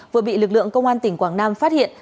vừa bị lực lượng công an tỉnh quảng nam phát hiện